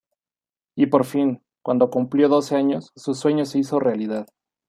Y por fin, cuando cumplió doce años su sueño se hizo realidad.